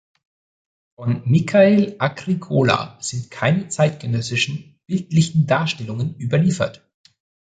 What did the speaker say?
Von Mikael Agricola sind keine zeitgenössischen bildlichen Darstellungen überliefert.